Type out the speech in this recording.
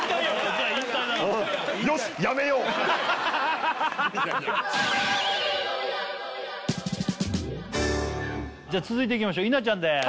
じゃあ引退だな続いていきましょう稲ちゃんです